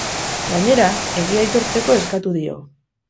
Gainera, egia aitortzeko eskatuko dio.